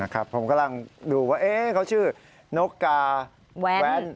ผมกำลังดูว่าเขาชื่อนกกาแว้น